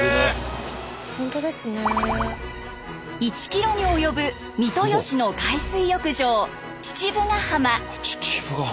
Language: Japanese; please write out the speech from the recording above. １キロに及ぶ三豊市の海水浴場父母ケ浜。